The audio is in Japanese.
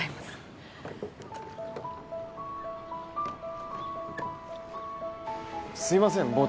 すいません。